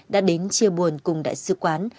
đã đến chia buồn cùng đại sứ quán